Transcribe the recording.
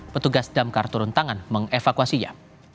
petugas damkar turun tangan mengevakuasinya